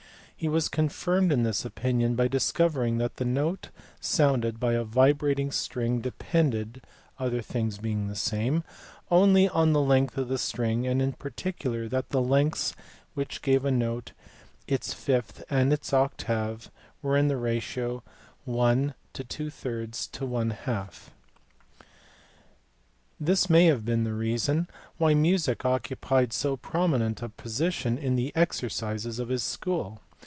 He was confirmed in this opinion by discovering that the note sounded by a vibrating string de pended (other things being the same) only on the length of the string, and in particular that the lengths which gave a note, its fifth, and its octave were in the ratio 1 :: J. This may 24 THE IONIAN AND PYTHAGOREAN SCHOOLS. have been the reason why music occupied so prominent a position in the exercises of his school.